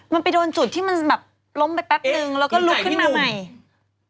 มันไปโดนจุดที่มันแบบล้มไปแป๊บนึงแล้วก็ลุกขึ้นมาใหม่